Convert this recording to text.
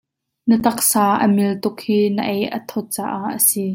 Na taksa a mil tuk hi na ei a thawt caah a si.